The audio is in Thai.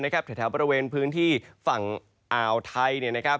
ท้ายประเทศประเวนพื้นที่ฝั่งอาวไทย